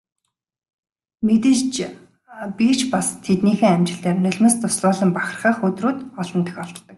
Мэдээж би ч бас тэднийхээ амжилтаар нулимс дуслуулан бахархах өдрүүд олон тохиолддог.